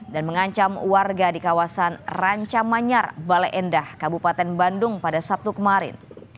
dan mengancam warga di kawasan ranca manyar baleendah kabupaten bandung pada sabtu kemarin